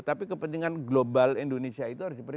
tapi kepentingan global indonesia itu harus diperhitu